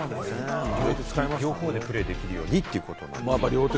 両方でプレーできるようにってことなんだね。